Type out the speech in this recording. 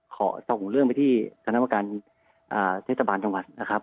ขอส่งเรื่องไปที่คณะประการเทศบาลจังหวัดนะครับ